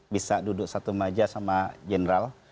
bisa duduk satu meja sama general